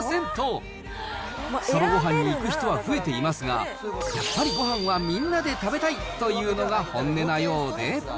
ソロごはんに行く人は増えていますが、やっぱりごはんはみんなで食べたいというのが本音なようで。